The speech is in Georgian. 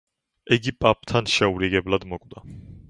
იგი პაპთან შეურიგებლად მოკვდა.